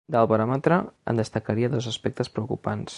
Del baròmetre, en destacaria dos aspectes preocupants.